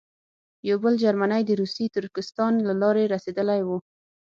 یو بل جرمنی د روسي ترکستان له لارې رسېدلی وو.